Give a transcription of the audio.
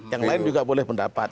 yang lain juga boleh pendapat